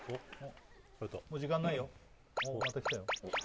もう時間ないよまたきたよ